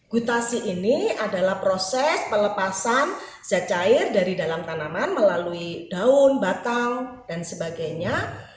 gutasi ini adalah proses pelepasan zat cair dari dalam tanaman melalui daun batang dan sebagainya